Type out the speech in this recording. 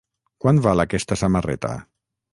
Quant val aquesta samarreta?